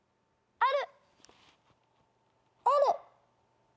ある！